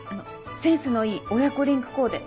センスのいい親子リンクコーデ